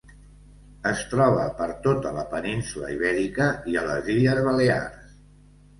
Es troba per tota la península Ibèrica i a les illes Balears.